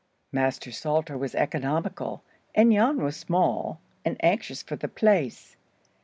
Master Salter was economical, and Jan was small, and anxious for the place.